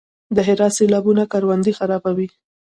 د هرات سیلابونه کروندې خرابوي؟